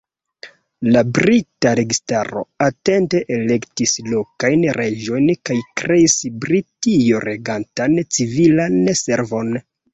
La brita registaro atente elektis lokajn reĝojn kaj kreis britio-regatan civilan servon.